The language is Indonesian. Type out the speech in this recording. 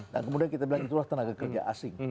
dan kemudian kita bilang itulah tenaga kerja asing